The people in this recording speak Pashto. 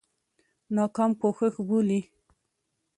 ناکام کوښښ بولي.